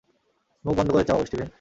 মুখ বন্ধ করে চাবাও, স্টিভেন।